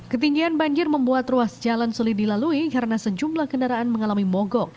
ketinggian banjir membuat ruas jalan sulit dilalui karena sejumlah kendaraan mengalami mogok